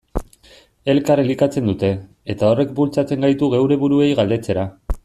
Elkar elikatzen dute, eta horrek bultzatzen gaitu geure buruei galdetzera.